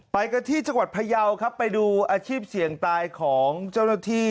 ไปกันที่จังหวัดพยาวครับไปดูอาชีพเสี่ยงตายของเจ้าหน้าที่